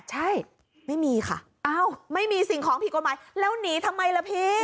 ใช่ไม่มีค่ะอ้าวไม่มีสิ่งของผิดกฎหมายแล้วหนีทำไมล่ะพี่